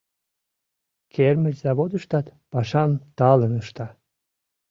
Кермычзаводыштат пашам талын ышта.